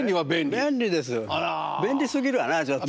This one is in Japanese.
便利すぎるわなちょっと。